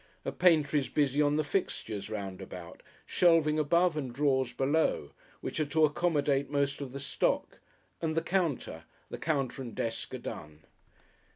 A painter is busy on the fixtures round about (shelving above and drawers below), which are to accommodate most of the stock, and the counter the counter and desk are done.